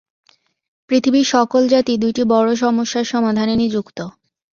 পৃথিবীর সকল জাতি দুইটি বড় সমস্যার সমাধানে নিযুক্ত।